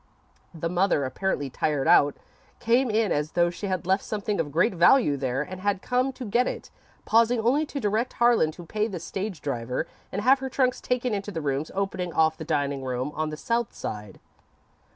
The mother, apparently tired out, came in as though she had left something of great value there and had come to get it, pausing only to direct Harlan to pay the stage driver, and have her trunks taken into the rooms opening off the dining room on the south side.